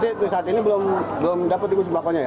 berarti saat ini belum dapat ikut sembah kumurah ya